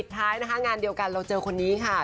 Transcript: ถ้างานดีวกันแล้วก็เจอคนนี้ค่ะ